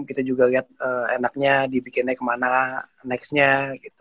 kita juga lihat enaknya dibikinnya kemana nextnya gitu